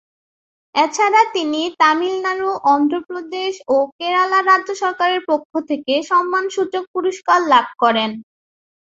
এছাড়া তিনি তামিল নাড়ু, অন্ধ্র প্রদেশ ও কেরালা রাজ্য সরকারের পক্ষ থেকে সম্মানসূচক পুরস্কার লাভ করেন।